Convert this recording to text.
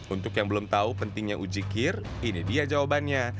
untuk yang belum tahu pentingnya uji kir ini dia jawabannya